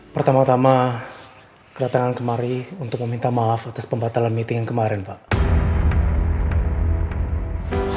pertama tama kedatangan kemari untuk meminta maaf atas pembatalan meeting yang kemarin pak